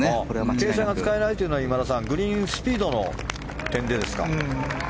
傾斜が使えないというのはグリーンスピードの点でですか？